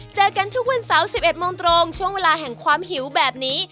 เจอกันทุกวันเสาร์๑๑โมงตรงช่วงเวลาแห่งความหิวแบบนี้